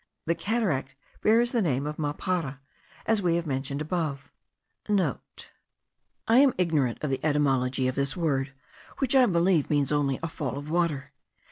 The cataract bears the name of Mapara,* as we have mentioned above (* I am ignorant of the etymology of this word, which I believe means only a fall of water.